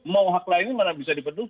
mau hak lainnya bisa dipenuhi